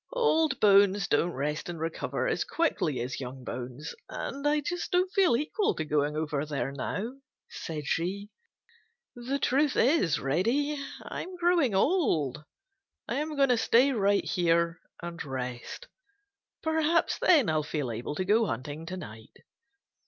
"Old bones don't rest and recover as quickly as young bones, and I just don't feel equal to going over there now," said she. "The truth is, Reddy, I am growing old. I am going to stay right here and rest. Perhaps then I'll feel able to go hunting to night.